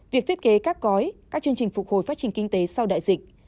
việc thiết kế các gói các chương trình phục hồi phát triển kinh tế sau đại dịch